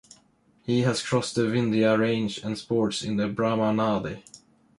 He has crossed the vindya range and sports in the Brahma Nadi.